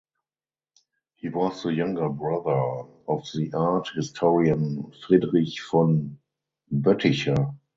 He was the younger brother of the art historian Friedrich von Boetticher.